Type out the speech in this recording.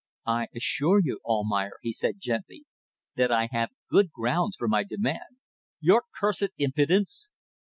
"I assure you, Almayer," he said, gently, "that I have good grounds for my demand." "Your cursed impudence!"